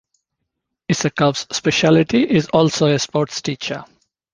Isakovs specialty is also a sports teacher.